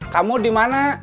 kamu di mana